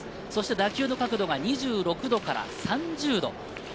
打球の角度は２６度から３０度。